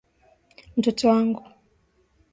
Mtoto wangu.